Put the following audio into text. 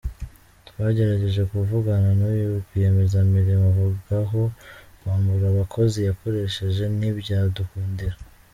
Twagerageje kuvugana n’uyu rwiyemezamirimo uvugwaho kwambura abakozi yakoresheje ntibyadukundira.